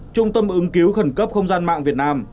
trung tâm ứng cứu khẩn cấp không gian mạng việt nam